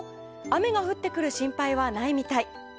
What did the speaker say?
雨が降ってくる心配はないみたい。